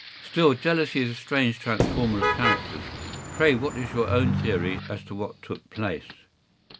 ” “Still, jealousy is a strange transformer of characters. Pray what is your own theory as to what took place?